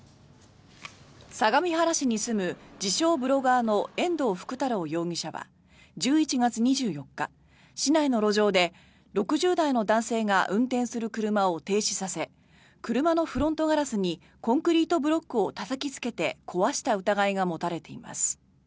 相模原市に住む自称・ブロガーの遠藤福太郎容疑者は１１月２４日、市内の路上で６０代の男性が運転する車を停止させ車のフロントガラスにコンクリートブロックをたたきつけて壊した疑いが持たれています。